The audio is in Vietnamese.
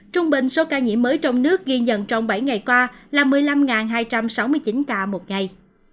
trung bình số ca nhiễm mới trong nước ghi nhận trong bảy ngày qua là một mươi năm hai trăm sáu mươi chín ca một ngày